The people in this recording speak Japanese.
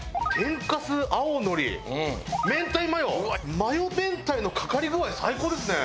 マヨ明太のかかり具合最高ですね！